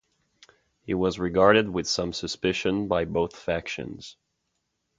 He was regarded with some suspicion by both factions.